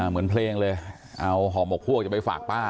เหมือนเพลงเลยเอาห่อหมกพวกจะไปฝากป้า